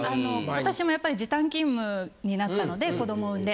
私もやっぱり時短勤務になったので子供産んで。